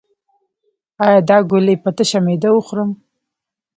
ایا دا ګولۍ په تشه معده وخورم؟